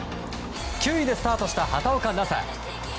９位でスタートした畑岡奈紗。